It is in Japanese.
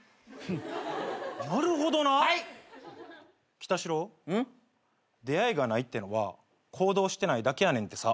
きたしろ出会いがないってのは行動してないだけやねんてさ。